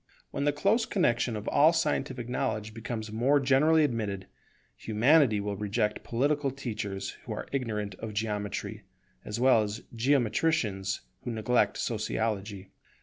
When the close connexion of all scientific knowledge becomes more generally admitted, Humanity will reject political teachers who are ignorant of Geometry, as well as geometricians who neglect Sociology.